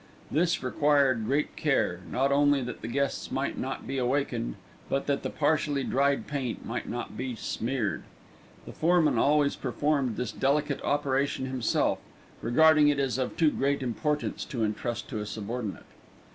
This required great care, not only that the guests might not be awakened, but that the partially dried paint might not be smeared. The foreman always performed this delicate operation himself, regarding it as of too great importance to entrust to a subordinate.